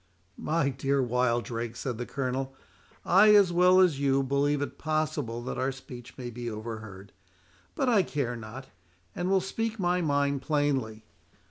"My dear Wildrake," said the Colonel, "I, as well as you, believe it possible that our speech may be overheard; but I care not, and will speak my mind plainly.